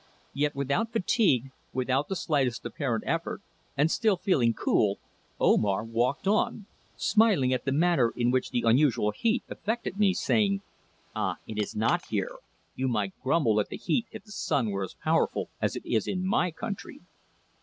Yet without fatigue, without the slightest apparent effort, and still feeling cool, Omar walked on, smiling at the manner in which the unusual heat affected me, saying: "Ah! It is not hot here. You might grumble at the heat if the sun were as powerful as it is in my country."